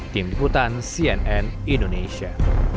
tim diputan cnn indonesia